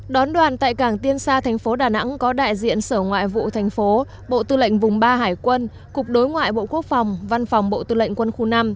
đón đoàn tại cảng tiên xa thành phố đà nẵng có đại diện sở ngoại vụ thành phố bộ tư lệnh vùng ba hải quân cục đối ngoại bộ quốc phòng văn phòng bộ tư lệnh quân khu năm